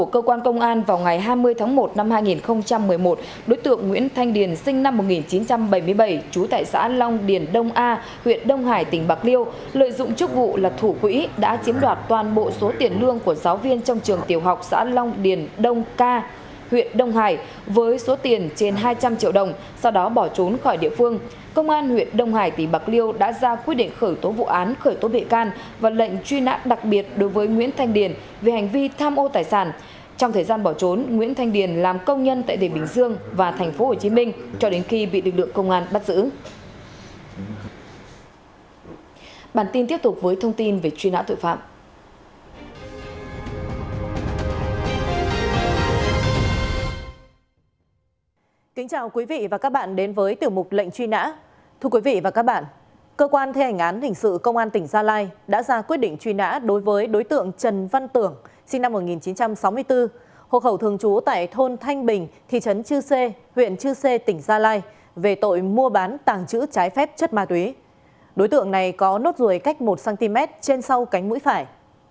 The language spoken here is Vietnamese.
cơ quan cảnh sát điều tra công an tỉnh gia lai đã ra quyết định truy nã đối với đối tượng nguyễn văn bằng sinh năm một nghìn chín trăm bảy mươi chín hộ khẩu thường trú tại xã kỳ sơn huyện kỳ anh tỉnh hà tĩnh có nốt ruồi cách một cm sau cánh mũi phải